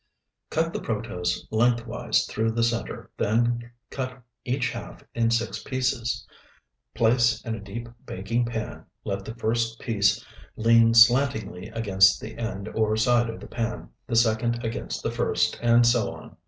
Cut the protose lengthwise through the center, then cut each half in six pieces. Place in a deep baking pan, let the first piece lean slantingly against the end or side of the pan, the second against the first, and so on.